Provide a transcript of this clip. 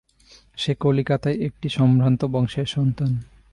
সে কলিকাতার একটি সম্ভ্রান্ত বংশের সন্তান।